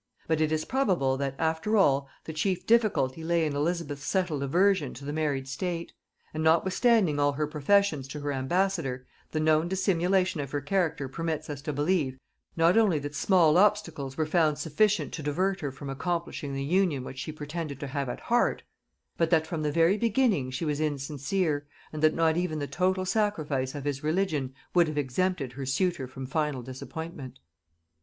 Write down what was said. But it is probable that, after all, the chief difficulty lay in Elizabeth's settled aversion to the married state; and notwithstanding all her professions to her ambassador, the known dissimulation of her character permits us to believe, not only that small obstacles were found sufficient to divert her from accomplishing the union which she pretended to have at heart; but that from the very beginning she was insincere, and that not even the total sacrifice of his religion would have exempted her suitor from final disappointment.